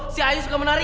si ayu suka menari